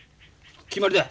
決まりだ。